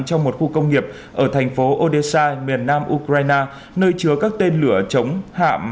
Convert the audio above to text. trong một khu công nghiệp ở thành phố odessai miền nam ukraine nơi chứa các tên lửa chống hạm